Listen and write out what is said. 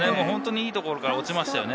いいところに落ちましたね。